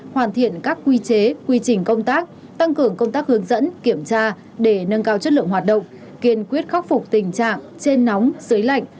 hoàn thiện các quy chế quy trình công tác tăng cường công tác hướng dẫn kiểm tra để nâng cao chất lượng hoạt động kiên quyết khắc phục tình trạng trên nóng dưới lạnh